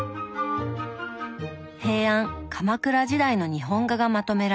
平安鎌倉時代の日本画がまとめられています。